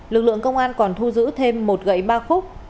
lực lượng công an còn thu giữ thêm một gậy ba khúc